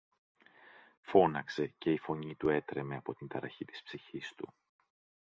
φώναξε, και η φωνή του έτρεμε από την ταραχή της ψυχής του.